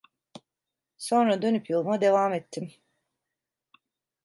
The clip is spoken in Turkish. Sonra dönüp yoluma devam ettim.